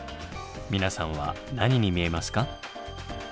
皆さんは何に見えますか？